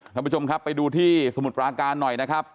ท่านผู้ชมครับไปดูที่สมุทรปราการหน่อยนะครับ